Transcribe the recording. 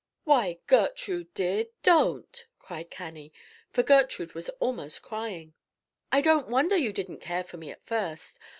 "Why, Gertrude dear, don't!" cried Cannie; for Gertrude was almost crying. "I don't wonder you didn't care for me at first.